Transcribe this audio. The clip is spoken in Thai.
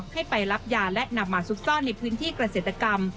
ให้ไปรับยาและนำมาซุกซ่อนในพื้นที่เกษตรกรรม